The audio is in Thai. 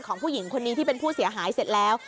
ผู้หญิงคนนี้ที่เป็นผู้เสียหายเสร็จแล้ว